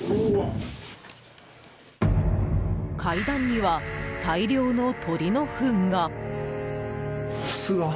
階段には、大量の鳥のふんが！